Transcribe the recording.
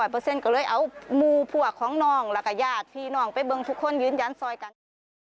แบบเราเอาม่วงเผลอของน้องละกะยากพี่น้องไปเบื้องทุกคนยืนยั้นซอยกัน